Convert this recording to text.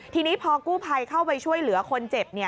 ทีนี้พอกู้ภัยเข้าไปช่วยเหลือคนเจ็บ